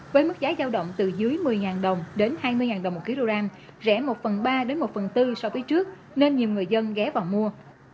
với mức giá giao động từ dưới một mươi đồng đến hai mươi đồng một kg rẻ một phần ba đến một phần tư so với trước nên nhiều người dân ghé vào mua